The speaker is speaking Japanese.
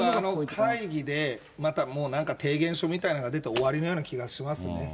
会議で、またもうなんか、提言書みたいなの出て終わりのような気がしますね。